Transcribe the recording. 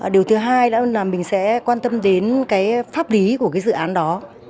điều thứ hai là mình sẽ quan tâm đến cái pháp lý của cái dự án đó